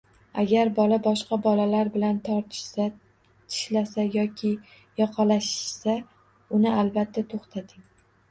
Agar bola boshqa bolalar bilan tortishsa, tishlasa yoki yoqalashishsa, uni albatta to‘xtating.